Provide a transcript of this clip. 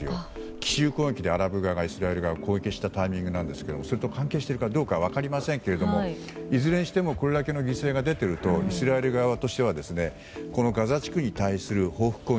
奇襲攻撃でアラブ側がイスラエル側を攻撃したタイミングなんですけれどもそれと関係しているかどうかは分かりませんが、いずれにしてもこれだけの犠牲が出ているとイスラエル側としてはこのガザ地区に対する報復攻撃